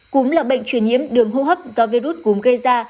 cúm là bệnh truyền nhiễm đường hô hấp do virus cúm gây ra